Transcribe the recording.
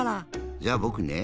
じゃあぼくね。